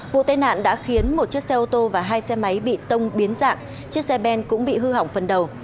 vụ tai nạn đã khiến một chiếc xe ô tô và hai xe máy bị tông biến dạng chiếc xe ben cũng bị hư hỏng phần đầu